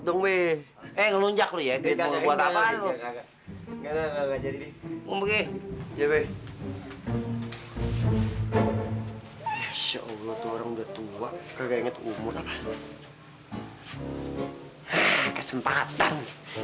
enggak enggak jadi ngomongin cewek ya allah orang udah tua kayaknya umur apa kesempatan